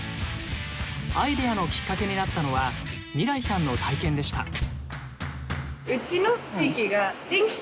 アイデアのきっかけになったのはみらいさんの体験でした。